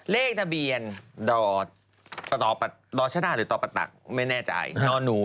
เลขดะเบียนดอชะดาหรือตอปะตักไม่แน่ใจดอหนู